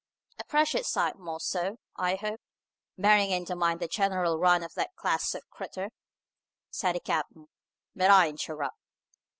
"A precious sight more so, I hope bearing in mind the general run of that class of crittur," said the captain. "But I interrupt."